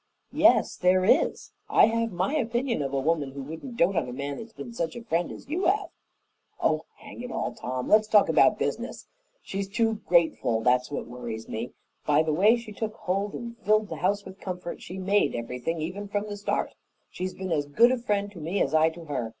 "Yes, there is. I have my opinion of a woman who wouldn't dote on a man that's been such a friend as you have." "Oh, hang it all, Tom! Let's talk about business. She's too grateful that's what worries me. By the way she took hold and filled the house with comfort she made everything even from the start. She's been as good a friend to me as I to her.